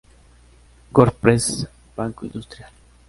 Wordpress Banco Industrial.